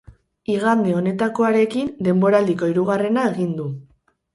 Igande honetakoarekin, denboraldiko hirugarrena egin du.